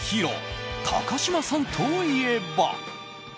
高嶋さんといえば。